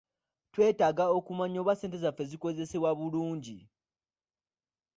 Twetaaga okumanya oba ssente zaffe zikozesebwa bulungi.